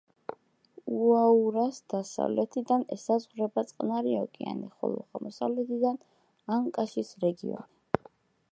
უაურას დასავლეთიდან ესაზღვრება წყნარი ოკეანე, ხოლო აღმოსავლეთიდან ანკაშის რეგიონი.